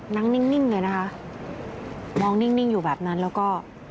นั่งนิ่งเลยนะคะมองนิ่งอยู่แบบนั้นแล้วก็